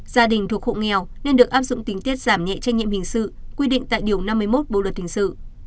gia đình thuộc hộ nghèo nên được áp dụng tình tiết giảm nhẹ trách nhiệm hình sự quy định tại điều năm mươi một bộ luật hình sự